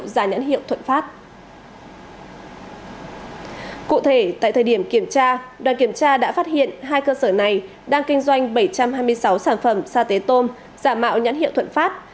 đoàn kiểm tra đã phát hiện hai cơ sở này đang kinh doanh bảy trăm hai mươi sáu sản phẩm xa tế tôm giả mạo nhãn hiệu thuận pháp